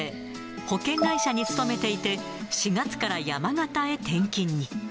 保険会社に勤めていて、４月から山形へ転勤に。